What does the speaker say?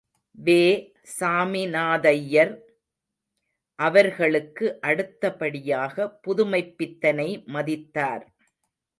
வே. சாமிநாதையர் அவர்களுக்கு அடுத்தபடியாக புதுமைப்பித்தனை மதித்தார்!